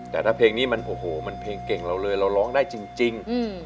แต่ถ้าเพลงนี้มันโอ้โหมันเพลงเก่งเราเลยเราร้องได้จริง